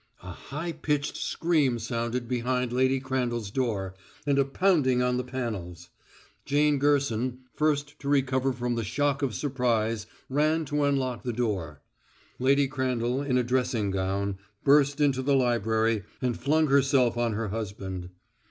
A high pitched scream sounded behind Lady Crandall's door, and a pounding on the panels. Jane Gerson, first to recover from the shock of surprise, ran to unlock the door. Lady Crandall, in a dressing gown, burst into the library and flung herself on her husband.